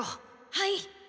はい。